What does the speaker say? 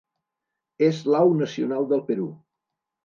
És l'au nacional del Perú.